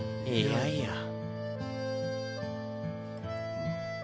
いやいや。